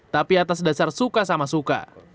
tapi atas dasar suka sama suka